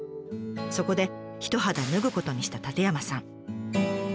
そこで一肌脱ぐことにした舘山さん。